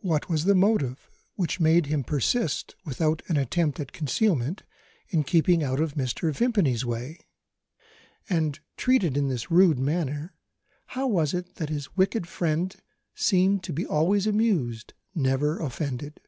What was the motive which made him persist, without an attempt at concealment, in keeping out of Mr. Vimpany's way? And, treated in this rude manner, how was it that his wicked friend seemed to be always amused, never offended?